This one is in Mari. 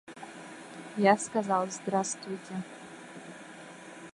Я сказал: здравствуйте.